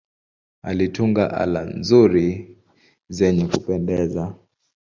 Alitunga ala nzuri zenye kupendeza.